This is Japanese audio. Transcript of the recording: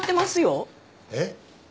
えっ？